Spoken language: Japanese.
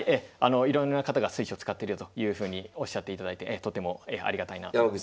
いろんな方が水匠使ってるよというふうにおっしゃっていただいてとてもありがたいなと思います。